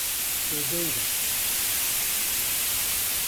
Bêdeng im.